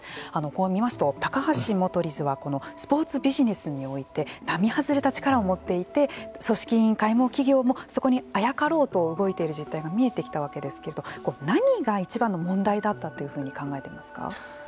こう見ますと高橋元理事はスポーツビジネスにおいて並外れた力を持っていて組織委員会も企業もそこにあやかろうと動いている実態が見えてきたわけですけれども何が一番の問題だったというふうに考えていますか。